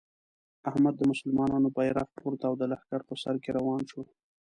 احمد د مسلمانانو بیرغ پورته او د لښکر په سر کې روان شو.